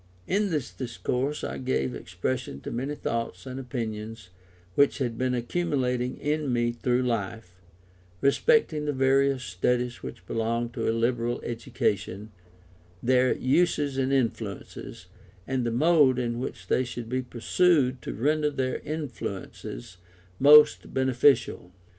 In this Discourse I gave expression to many thoughts and opinions which had been accumulating in me through life, respecting the various studies which belong to a liberal education, their uses and influences, and the mode in which they should be pursued to render their influences most beneficial.